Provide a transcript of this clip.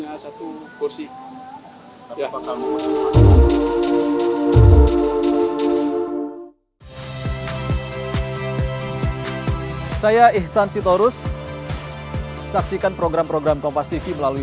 hai saya ihsan sitorus saksikan program program kompas tv melalui